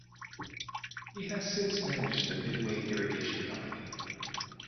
He has since managed the Midway Irrigation Company.